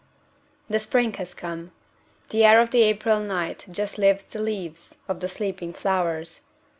The spring has come. The air of the April night just lifts the leaves of the sleeping flowers.